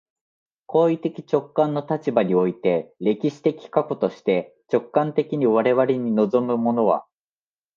行為的直観の立場において、歴史的過去として、直観的に我々に臨むものは、